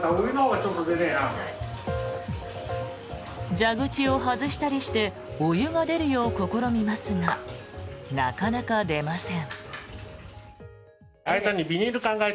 蛇口を外したりしてお湯が出るよう試みますがなかなか出ません。